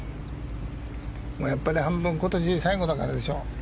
やっぱり半分今年最後だからでしょう。